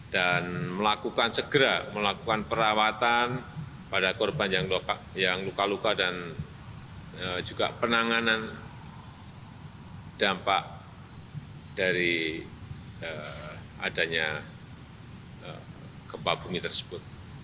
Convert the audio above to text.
dan melakukan segera melakukan perawatan pada korban yang luka luka dan juga penanganan dampak dari adanya kebabungi tersebut